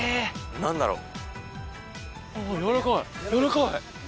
何だろう？